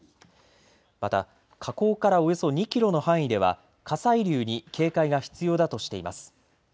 また火口からおよそ２キロの範囲では火砕流に警戒が必要だとしています。